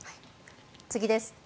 次です。